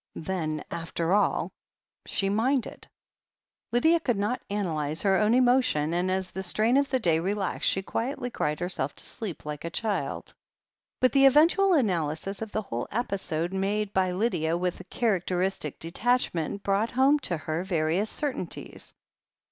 Then, after all, she minded f Lydia could not analyze her own emotion, and as the strain of the day relaxed, she quietly cried herself to sleep like a child. But the eventual analysis of the whole episode, made by Lydia with characteristic detachment, brought home to her various certainties.